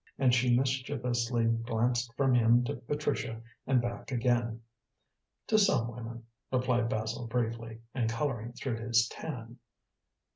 and she mischievously glanced from him to Patricia and back again. "To some women," replied Basil briefly, and colouring through his tan.